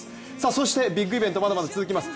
そしてビッグイベント、まだまだ続きます。